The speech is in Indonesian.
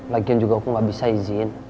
lagian juga aku gak bisa izin